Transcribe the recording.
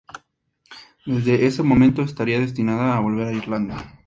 Desde ese momento estaría destinada a volver a Irlanda.